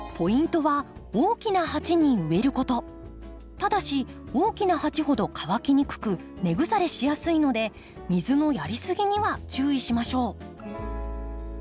ただし大きな鉢ほど乾きにくく根腐れしやすいので水のやりすぎには注意しましょう。